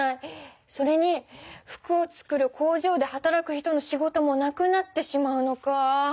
それに服を作る工場ではたらく人の仕事もなくなってしまうのか。